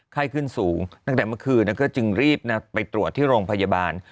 ไข้ขึ้นสูงตั้งแต่เมื่อคืนก็จึงรีบไปตรวจที่โรงพยาบาล